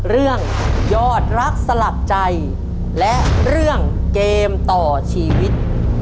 เรื่องยอดรักสลักใจและเรื่องเกมต่อชีวิต